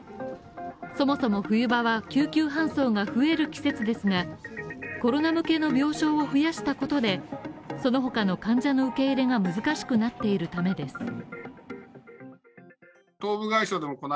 そもそも冬場は、救急搬送が増える季節ですが、コロナ向けの病床を増やしたことでそのほかの患者の受け入れが難しくなっているためです。